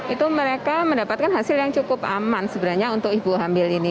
itu mereka mendapatkan hasil yang cukup aman sebenarnya untuk ibu hamil ini